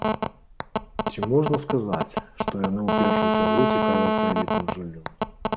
Ці можна сказаць, што яны ў першую чаргу цікавяцца элітным жыллём?